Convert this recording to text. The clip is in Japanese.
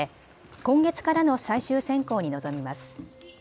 今月からの最終選考に臨みます。